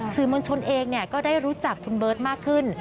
สื่อมวลชนเองก็ได้รู้จักคุณเบิร์ตมากขึ้น